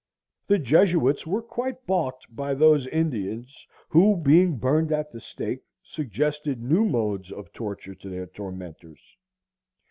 The Jesuits were quite balked by those Indians who, being burned at the stake, suggested new modes of torture to their tormentors.